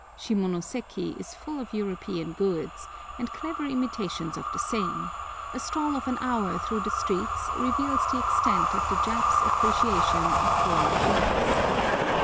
Shimonoseki is full of European goods, and clever imitations of the same; a stroll of an hour through the streets reveals the extent of the Japs' appreciation of foreign things.